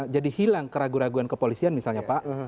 jadi hilang keraguan keraguan kepolisian misalnya pak